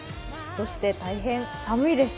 そして大変寒いです。